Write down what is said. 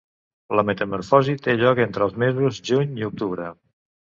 La metamorfosi té lloc entre els mesos juny i octubre.